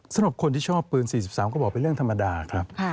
สำหรับคนที่ชอบปืน๔๓กระบอกเป็นเรื่องธรรมดาครับ